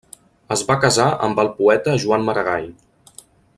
Es va casar amb el poeta Joan Maragall.